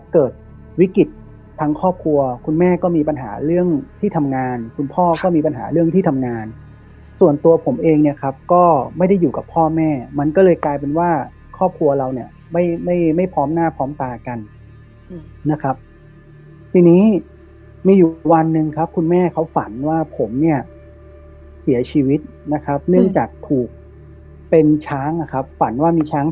เกิดวิกฤตทั้งครอบครัวคุณแม่ก็มีปัญหาเรื่องที่ทำงานคุณพ่อก็มีปัญหาเรื่องที่ทำงานส่วนตัวผมเองเนี่ยครับก็ไม่ได้อยู่กับพ่อแม่มันก็เลยกลายเป็นว่าครอบครัวเราเนี่ยไม่ไม่พร้อมหน้าพร้อมตากันนะครับทีนี้มีอยู่วันหนึ่งครับคุณแม่เขาฝันว่าผมเนี่ยเสียชีวิตนะครับเนื่องจากถูกเป็นช้างนะครับฝันว่ามีช้าง